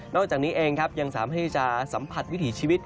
จากนี้เองครับยังสามารถที่จะสัมผัสวิถีชีวิต